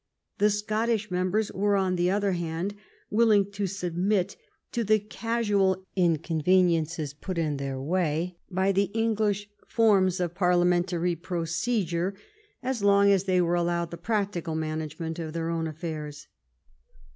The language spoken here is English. The Scot tish members were, on the other hand, willing to submit to the casual inconveniences put in their way by the English forms of parliamentary procedure so long as they were allowed the practical management of tiieir own affairs.